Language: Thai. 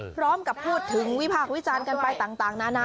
พร้อมกับพูดถึงวิพากษ์วิจารณ์กันไปต่างนานา